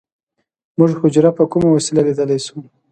موږ حجره په کومه وسیله لیدلی شو